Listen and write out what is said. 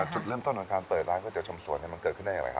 จุดเริ่มต้นของการเปิดร้านก๋วเตีชมสวนมันเกิดขึ้นได้อย่างไรครับ